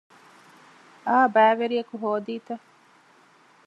އާ ބައިވެރިއަކު ހޯދީތަ؟